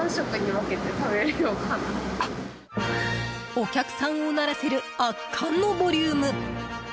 お客さんをうならせる圧巻のボリューム。